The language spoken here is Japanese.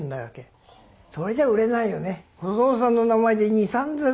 それじゃ売れないよね。